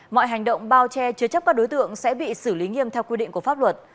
mọi hành động bao che chứa chấp các đối tượng sẽ bị xử lý nghiêm theo quy định của pháp luật